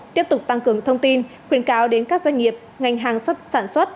tiếp tục tăng cường thông tin khuyến cáo đến các doanh nghiệp ngành hàng xuất sản xuất